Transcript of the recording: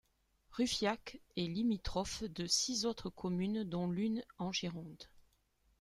Ruffiac est limitrophe de six autres communes dont l'une en Gironde.